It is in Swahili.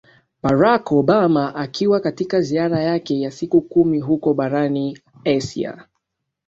barack obama akiwa katika ziara yake ya siku kumi huko barani asia